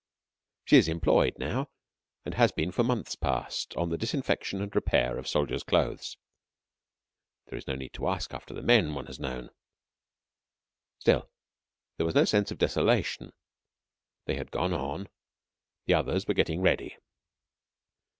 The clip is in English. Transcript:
She is employed now, and has been for months past, on the disinfection and repair of soldiers' clothes. There was no need to ask after the men one had known. Still, there was no sense of desolation. They had gone on; the others were getting ready.